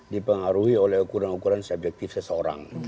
dipengaruhi oleh ukuran ukuran subjektif seseorang